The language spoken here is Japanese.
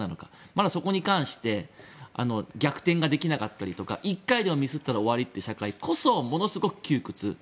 まだそこに関して逆転ができなかったりとか１回でもミスったら終わりという社会こそものすごく窮屈。